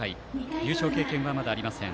優勝経験はまだありません。